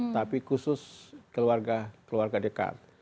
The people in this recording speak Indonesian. tapi khusus keluarga dekat